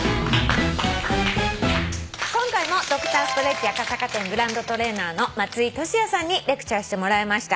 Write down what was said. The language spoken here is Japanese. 今回もＤｒ．ｓｔｒｅｔｃｈ赤坂店グランドトレーナーの松居俊弥さんにレクチャーしてもらいました。